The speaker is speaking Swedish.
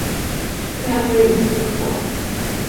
Det här får inte fortgå.